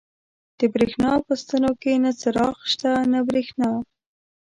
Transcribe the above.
د برېښنا په ستنو کې نه څراغ شته، نه برېښنا.